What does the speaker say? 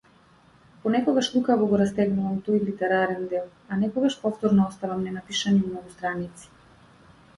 Понекогаш лукаво го растегнувам тој литерарен дел, а некогаш повторно оставам ненапишани многу страници.